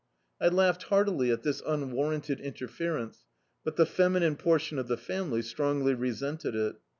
I lauded heartily at this tmwarranted interference, but the feminine portion of the family strongly resented it.